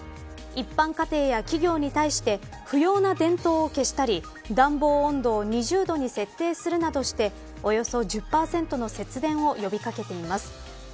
一般家庭や企業に対して不要な電灯を消したり暖房温度を２０度に設定するなどしておよそ１０％の節電を呼び掛けています。